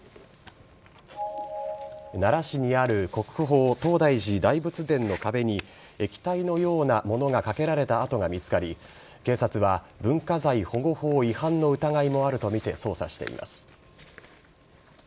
奈良市にある国宝・東大寺大仏殿の壁に液体のようなものがかけられた跡が見つかり警察は文化財保護法違反の疑いもあるとみて捜査しています。